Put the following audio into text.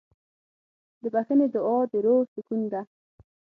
د بښنې دعا د روح سکون ده.